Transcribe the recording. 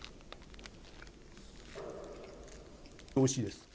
おいしいです。